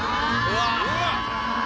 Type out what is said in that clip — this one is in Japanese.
うわっ！